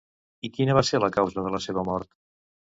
I quina va ser la causa de la seva mort?